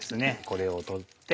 これを取って。